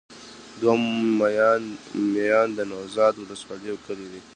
دره میان د نوزاد ولسوالي يو کلی دی.